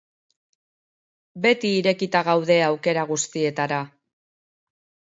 Beti irekita gaude aukera guztietara.